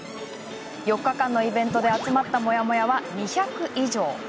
４日間のイベントで集まったモヤモヤは２００以上。